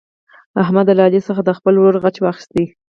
احمد له علي څخه د خپل ورور غچ واخیست.